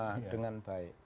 menerima dengan baik